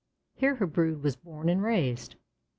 Here her brood were born and raised.